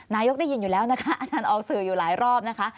นายกได้ยินอยู่แล้วนะคะอาจารย์ออกสื่ออยู่หลายรอบนะคะ